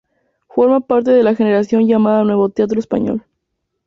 Formó parte de la generación llamada Nuevo Teatro Español.